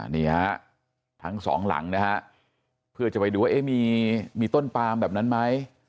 นี่ฮะทั้งสองหลังนะฮะเพื่อจะไปดูว่ามีต้นปามแบบนั้นไหม